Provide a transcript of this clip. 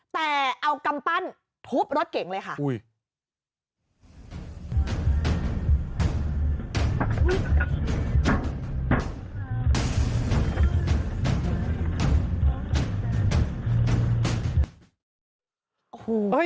แต่เอากำปั้นทุบรถเก่งเลยค่ะ